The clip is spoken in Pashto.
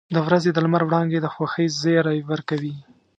• د ورځې د لمر وړانګې د خوښۍ زیری ورکوي.